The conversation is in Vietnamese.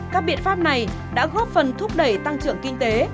các biện pháp này đã góp phần thúc đẩy tăng trưởng kinh tế